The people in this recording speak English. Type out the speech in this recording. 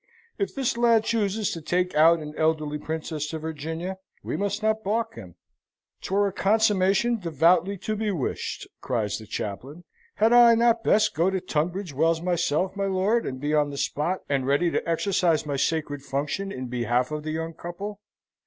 If this lad chooses to take out an elderly princess to Virginia, we must not balk him." "'Twere a consummation devoutly to be wished!" cries the chaplain. "Had I not best go to Tunbridge Wells myself, my lord, and be on the spot, and ready to exercise my sacred function in behalf of the young couple?"